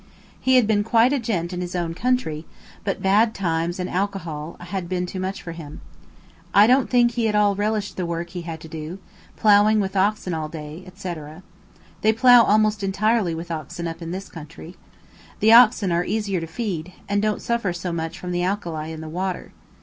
He had been quite a "gent" in his own country, but bad times and alcohol I had been too much for him. I don't think he at all relished the work he had to do, ploughing with oxen all day, &c. They plough almost entirely with oxen up in this country. The oxen are easier to feed, and don't suffer so much from the alkali in the water.